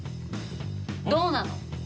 どうなの？